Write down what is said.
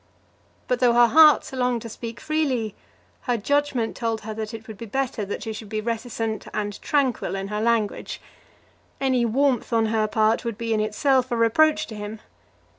But though her heart longed to speak freely, her judgment told her that it would be better that she should be reticent and tranquil in her language. Any warmth on her part would be in itself a reproach to him.